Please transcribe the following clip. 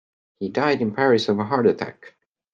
He died in Paris of a heart attack.